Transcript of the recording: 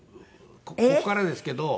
ここからですけど。